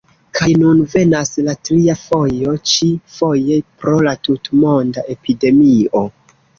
Kaj nun venas la tria fojo, ĉi-foje pro la tutmonda epidemio.